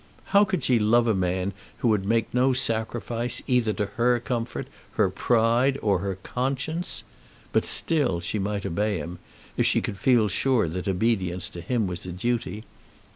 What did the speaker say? How could she love a man who would make no sacrifice either to her comfort, her pride, or her conscience? But still she might obey him, if she could feel sure that obedience to him was a duty.